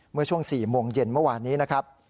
เมื่อช่วง๔โมงเย็นเมื่อวานนี้นะครับ